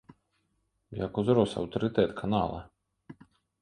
Як узрос аўтарытэт канала!